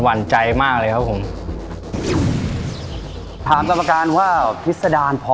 และก็จะบลงมากอีกแล้ว